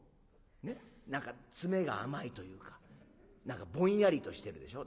ねっ何か詰めが甘いというか何かぼんやりとしてるでしょ。